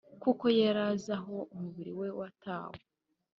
kuko yarazi aho umubiri we watawe